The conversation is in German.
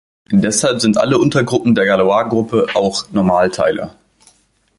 Deshalb sind alle Untergruppen der Galoisgruppe auch Normalteiler.